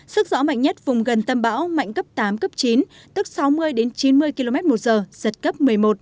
sức gió mạnh nhất vùng gần tâm bão mạnh cấp tám cấp chín tức sáu mươi đến chín mươi km một giờ giật cấp một mươi một